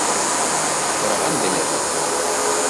Һораған белер.